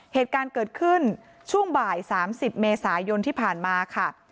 เหตุการณ์เกิดขึ้นช่วงบ่าย๓๐เมษายนที่ผ่านมาค่ะ